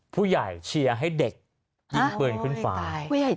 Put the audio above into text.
ผู้ใหญ่เชียร์ให้เด็กยิงปืนขึ้นฟ้า